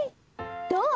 どう？